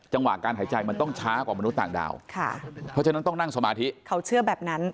การหายใจมันต้องช้ากว่ามนุษย์ต่างดาวค่ะเพราะฉะนั้นต้องนั่งสมาธิเขาเชื่อแบบนั้น